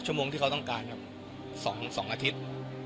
ชั่วโมงที่เขาต้องการ๒อาทิตย์